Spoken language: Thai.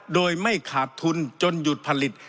โดยไม่ขาดทุนจนหยุดผลิต